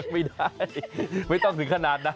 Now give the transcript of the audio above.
ไม่ได้ไม่ต้องถึงขนาดนั้น